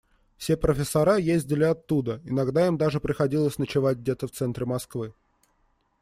Все профессора ездили оттуда, иногда им даже приходилось ночевать где-то в центре Москвы.